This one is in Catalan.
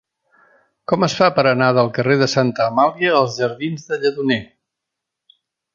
Com es fa per anar del carrer de Santa Amàlia als jardins del Lledoner?